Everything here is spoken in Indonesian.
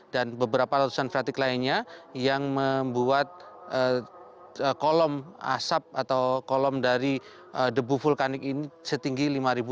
dan beberapa letusan freatik lainnya yang membuat kolom asap atau kolom dari debu vulkanik ini setinggi lima lima ratus